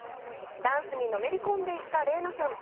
ダンスにのめり込んでいったＲｅｉＮａさん。